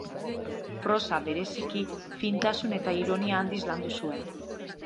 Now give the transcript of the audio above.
Prosa, bereziki, fintasun eta ironia handiz landu zuen.